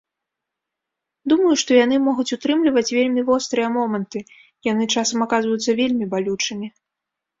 Думаю, што яны могуць утрымліваць вельмі вострыя моманты, яны часам аказваюцца вельмі балючымі.